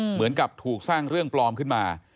เหมือนกับถูกสร้างเรื่องปลอมขึ้นมา